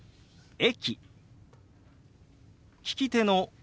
「駅」。